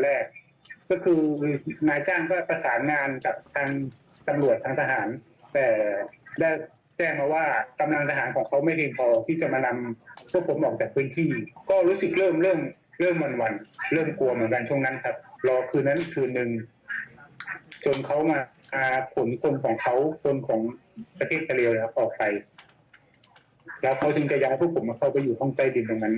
แล้วเขาจึงจะย้อนพวกผมมาเข้าไปอยู่ห้องใต้ดินตรงนั้น